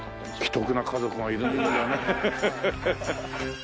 奇特な家族がいるもんだね。